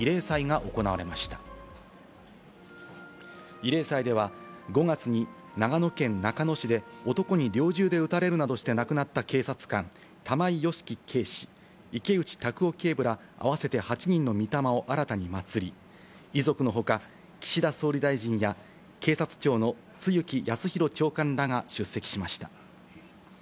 慰霊祭では、５月に長野県中野市で男に猟銃で撃たれるなどして亡くなった警察官、玉井良樹警視、池内卓夫警部ら、合わせて８人のみ霊を新たに祭り、遺族のほか、岸田総理大臣や警察庁の露木康浩長官らが出席しました。